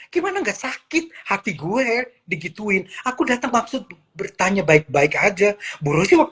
gimana enggak sakit hati gue digituin aku datang maksud bertanya baik baik aja buruhnya